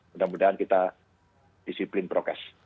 mudah mudahan kita disiplin prokes